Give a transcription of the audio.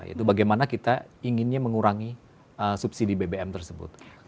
itu bagaimana kita inginnya mengurangi subsidi bbm tersebut